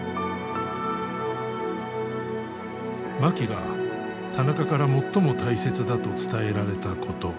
槇が田中から最も大切だと伝えられたこと。